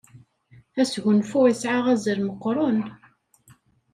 Asgunfu isɛa azal meqqren.